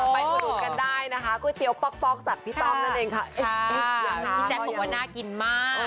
อุดหนุนกันได้นะคะก๋วยเตี๋ยวป๊อกป๊อกจากพี่ต้อมนั่นเองค่ะพี่แจ๊คบอกว่าน่ากินมาก